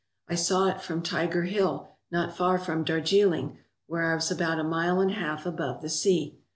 I saw it from Tiger Hill, not far from Darjiling, where I was about a mile and a half above the sea.